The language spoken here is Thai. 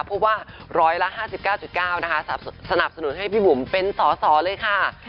พบว่าร้อยละ๕๙๙นะคะสนับสนุนให้พี่บุ๋มเป็นสอสอเลยค่ะ